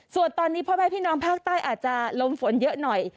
ส่วนตอนนี้พ่อแม่พี่น้องภาคใต้อาจจะลมฝนเยอะหน่อย